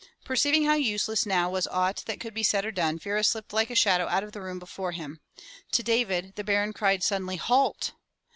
Perceiving how useless now was aught that could be said or done, Vera slipped like a shadow out of the room before him. To David the Baron cried suddenly, "Halt!"